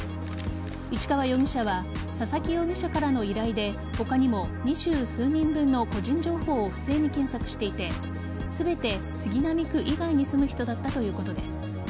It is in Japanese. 市川容疑者は佐々木容疑者からの依頼で他にも二十数人分の個人情報を不正に検索していて全て杉並区以外に住む人だったということです。